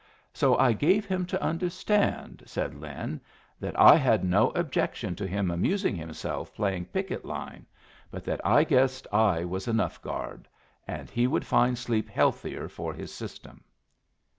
"So I gave him to understand," said Lin, "that I had no objection to him amusing himself playing picket line, but that I guessed I was enough guard, and he would find sleep healthier for his system."